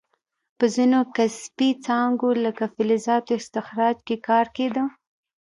په ځینو کسبي څانګو لکه فلزاتو استخراج کې کار کیده.